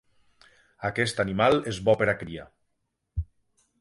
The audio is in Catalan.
Aquest animal és bo per a cria.